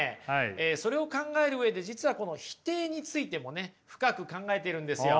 それを考える上で実は否定についてもね深く考えてるんですよ。